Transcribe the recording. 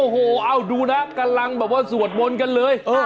โอ้โหเอาดูนะกำลังแบบว่าสวดมนต์กันเลย